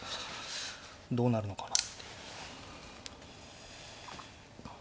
どうなるのかな。